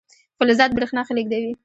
فلزات برېښنا ښه لیږدوي.